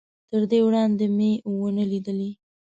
تر دې وړاندې مې نه و ليدلی.